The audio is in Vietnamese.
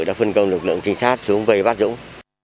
đã phân công lực lượng trinh sát xuống vây bắt dũng